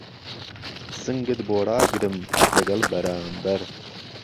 سنگت بۆ ڕاگرم لهگەڵ بەرامبەر